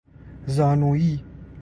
زانویی